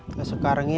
kalau sekarang pak